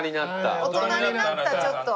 大人になったちょっと。